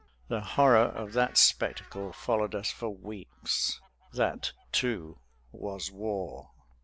The horror of that spectacle followed us for weeks. That, too, was war!